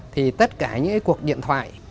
thì tất cả những cuộc điện thoại